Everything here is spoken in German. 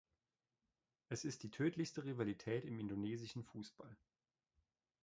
Es ist die tödlichste Rivalität im indonesischen Fußball.